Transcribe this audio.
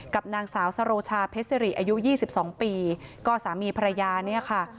กับนางสาวสะโรชาเพศรีอายุยี่สิบสองปีก็สามีภรรยาเนี้ยค่ะ